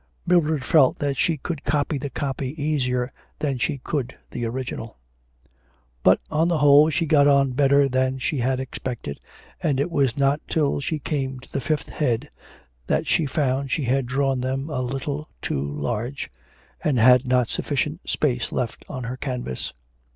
Mildred felt that she could copy the copy easier than she could the original. But on the whole she got on better than she had expected, and it was not till she came to the fifth head, that she found she had drawn them all a little too large, and had not sufficient space left on her canvas.